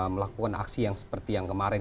melakukan aksi yang seperti yang kemarin